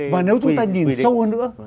và nếu chúng ta nhìn sâu hơn nữa